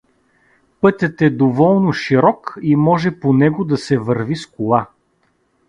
Пътят е доволно широк и може по него да се върви с кола.